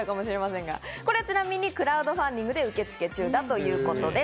これ、ちなみにクラウドファンディングで受け付け中だということです。